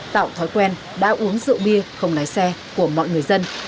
tạo thói quen đã uống rượu bia không lái xe của mọi người dân